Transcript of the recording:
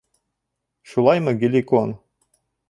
Шулаймы, Геликон?